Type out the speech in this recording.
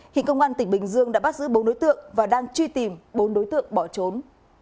hiện công an tỉnh bình dương đã bắt giữ bốn đối tượng và đang truy tìm bốn đối tượng bỏ trốn